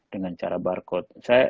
dengan cara barcode